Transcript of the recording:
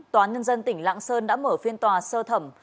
tòa nhân dân tỉnh lạng sơn đã mở phiên tòa sơ thẩm